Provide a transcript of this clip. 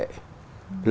nói chung là